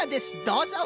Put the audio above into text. どうぞ！